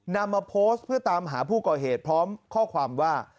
นำมาโพสต์เพื่อตามหาผู้ก่อเหตุพร้อมข้อความว่า